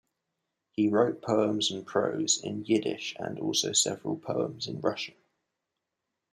He wrote poems and prose in Yiddish and also several poems in Russian.